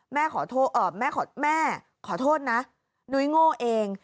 แม่ขอโทษนะนุ้ยโง่เอง